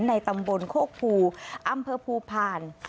ในตำบลโฆคภูอำเภอพูพาร